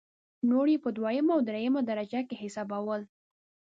نور یې په دویمه او درېمه درجه کې حسابول.